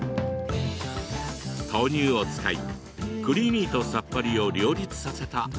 豆乳を使い、クリーミーとさっぱりを両立させた